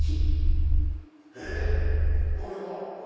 えっ⁉これが？